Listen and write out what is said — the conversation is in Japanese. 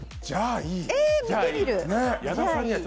じゃあ、いい。